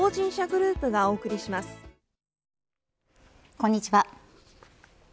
こんにちは。